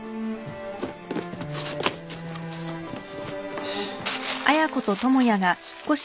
よし。